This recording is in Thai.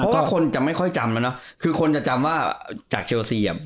ก็คนจะไม่ค่อยจำแล้วเนอะคือคนจะจำว่าจากเชลซีอ่ะ